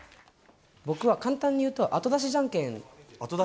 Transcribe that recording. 僕は簡単に言うと、後出しじゃんけん？